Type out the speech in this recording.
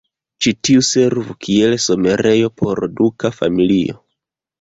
Ĉi tiu servu kiel somerejo por la duka familio.